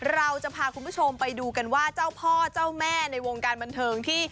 เราจะพาคุณผู้ชมไปดูกันว่าเจ้าพ่อเจ้าแม่ในวงการบันเทิงที่